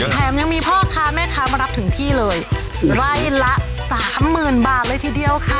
แถมยังมีพ่อค้าแม่ค้ามารับถึงที่เลยไร่ละสามหมื่นบาทเลยทีเดียวค่ะ